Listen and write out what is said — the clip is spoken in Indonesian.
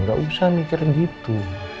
gak usah mikirin gitu